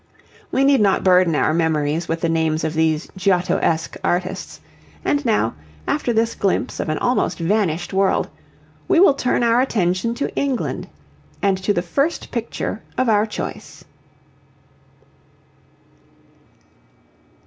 We need not burden our memories with the names of these 'Giottesque' artists; and now, after this glimpse of an almost vanished world, we will turn our attention to England and to the first picture of our choice.